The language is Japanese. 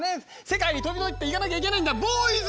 世界に飛び出していかなきゃいけないんだ。